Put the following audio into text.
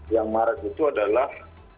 yang marah itu adalah